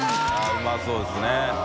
うまそうですね。